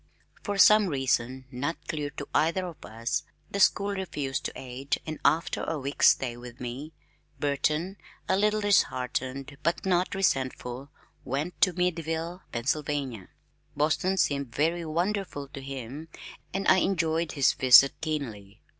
For some reason not clear to either of us, the school refused to aid and after a week's stay with me Burton, a little disheartened but not resentful, went to Meadville, Pennsylvania. Boston seemed very wonderful to him and I enjoyed his visit keenly.